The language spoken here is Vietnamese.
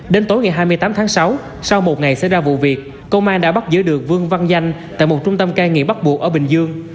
đến tối ngày hai mươi tám tháng sáu sau một ngày xảy ra vụ việc công an đã bắt giữ được vương văn danh tại một trung tâm cai nghiện bắt buộc ở bình dương